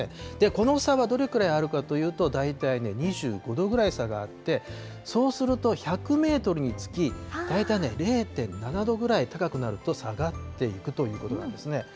この差はどれくらいあるかというと、だいたい２５度ぐらい差があって、そうすると、１００メートルにつき大体ね、０．７度ぐらい高くなると下がっていくということなんですね。